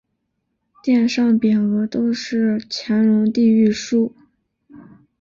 殿上匾额都是乾隆帝御书。